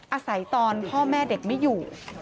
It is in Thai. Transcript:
อาศัยตอนพ่อแม่เด็กไม่อยู่